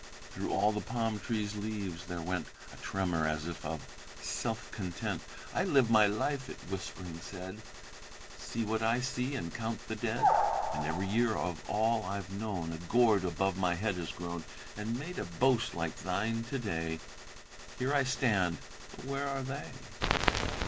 "'Through all the palm tree's leaves there went A tremor as of self content. "I live my life," it whispering said, "See what I see, and count the dead; And every year of all I've known A gourd above my head has grown And made a boast like thine to day, Yet here I stand; but where are they?"'"